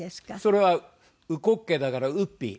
それは烏骨鶏だからウッピー。